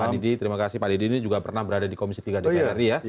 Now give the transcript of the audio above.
pak didi terima kasih pak didi ini juga pernah berada di komisi tiga dpr ri ya